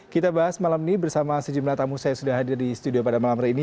kita bahas malam ini bersama sejumlah tamu saya sudah hadir di studio pada malam hari ini